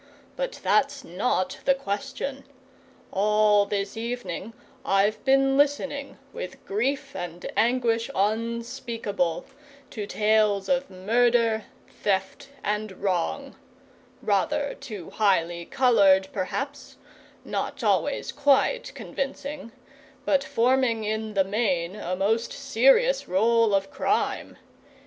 But that's not the question. All this evening I've been listening, with grief and anguish unspeakable, to tales of murder, theft, and wrong; rather too highly coloured, perhaps, not always quite convincing, but forming in the main a most serious roll of crime.